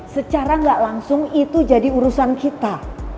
secara nggak langsung itu jadi urusan kita